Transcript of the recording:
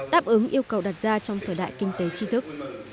đáp ứng yêu cầu đặt ra trong thời đại kinh tế tri thức